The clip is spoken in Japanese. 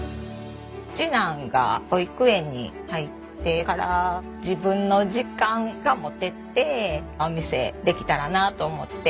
次男が保育園に入ってから自分の時間が持ててお店できたらなと思って。